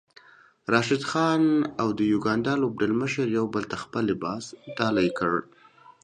راشد خان او د يوګاندا لوبډلمشر يو بل ته خپل لباس ډالۍ کړی